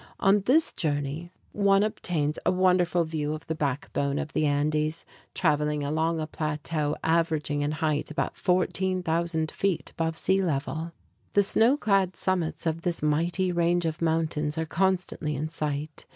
On this journey, one obtains a wonderful view of the back bone of the Andes, traveling along a plateau averaging in height about 14,000 feet above sea level. The snow clad summits of this mighty range of mountains are constantly in sight.